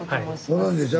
ご存じでしょ？